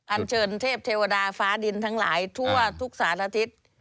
อันเชิญเทพเทวดาฟ้าดินทั้งหลายทั่วทุกสารทิศ